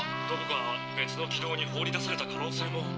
「どこか別の軌道にほうり出された可能性も」。